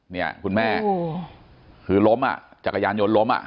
เนี่ยคุณแม่คือล้มอ่ะจักรยานยนต์ล้มอ่ะ